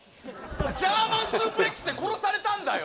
ジャーマン・スープレックスで殺されたんだよ